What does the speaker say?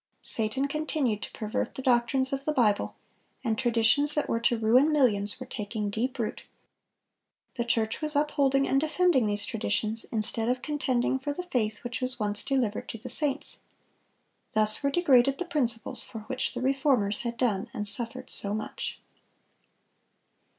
Satan continued to pervert the doctrines of the Bible, and traditions that were to ruin millions were taking deep root. The church was upholding and defending these traditions, instead of contending for "the faith which was once delivered to the saints." Thus were degraded the principles for which the Reformers had done and suffered so much.